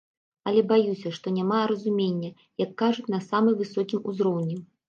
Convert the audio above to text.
Але баюся, што няма разумення, як кажуць, на самы высокім узроўні.